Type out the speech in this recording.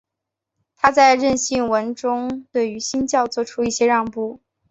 他在认信文中对于新教做出一些让步。